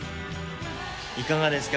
いかがですか？